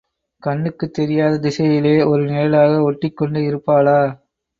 கண்ணுக்குத் தெரியாத திசையிலே ஒரு நிழலாக ஒட்டிக் கொண்டு இருப்பாளா?